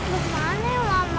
buatmu kemana mama